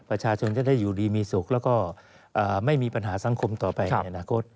ประชาชนจะได้อยู่ดีมีสุขแล้วก็ไม่มีปัญหาสังคมต่อไปในอนาคต